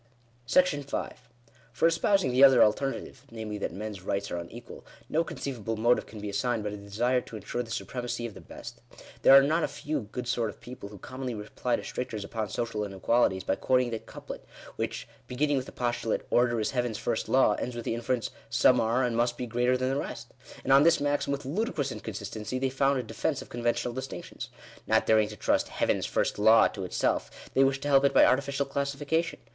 §5 For espousing the other alternative, namely, that men's rights are unequal, no conceivable motive can be assigned but a desire to ensure the supremacy of the best. There are not a few good sort of people who commonly reply to strictures upon social inequalities by quoting that couplet, which, beginning with the postulate —" Order is heaven's first law," ends with the inference —" Some are, and must be, greater than the rest." And on this maxim, with ludicrous inconsistency, they found a defence of conventional distinctions. Not daring to trust "heavens first law" to itself, they wish to help it by artificial classification.